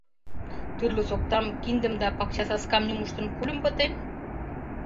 Тӱрлӧ соктам, киндым да пакчасаскам нюмыштын, кульым пытен?